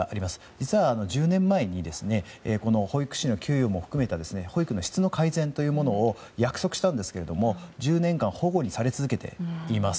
実は、１０年前にこの保育士の給料も含めた保育の質の改善というものを約束したんですけれども１０年間反故にされ続けています。